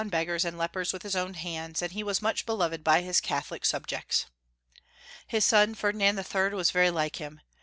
beggars and lepers with his own hands, and he was much beloved by his Catholic subjects. His son, Ferdinand III., was very like him.